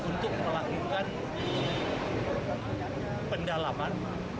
untuk melakukan pendalaman